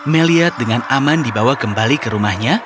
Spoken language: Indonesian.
meliad dengan aman dibawa kembali ke rumahnya